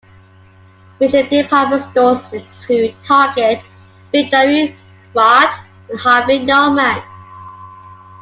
Major department stores include Target, Big W, Kmart, and Harvey Norman.